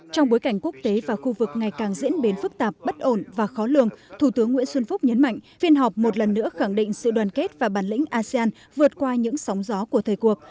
trong bối cảnh quốc tế và khu vực ngày càng diễn biến phức tạp bất ổn và khó lường thủ tướng nguyễn xuân phúc nhấn mạnh phiên họp một lần nữa khẳng định sự đoàn kết và bản lĩnh asean vượt qua những sóng gió của thời cuộc